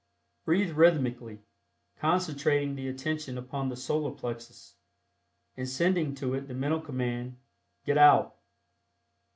Breathe rhythmically, concentrating the attention upon the Solar Plexus, and sending to it the mental command "Get Out."